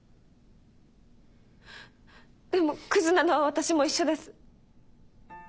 でもクズなのは私も一緒です。